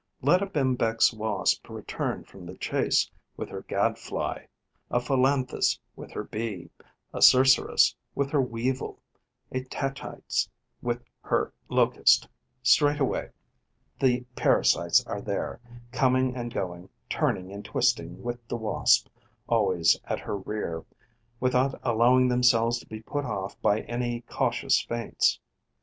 Let a Bembex wasp return from the chase, with her Gad fly; a Philanthus, with her Bee; a Cerceris, with her Weevil; a Tachytes, with her Locust: straightway the parasites are there, coming and going, turning and twisting with the Wasp, always at her rear, without allowing themselves to be put off by any cautious feints.